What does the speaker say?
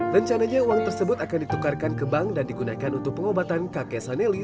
rencananya uang tersebut akan ditukarkan ke bank dan digunakan untuk pengobatan kakek saneli